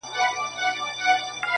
زه یې وینمه که خاص دي او که عام دي,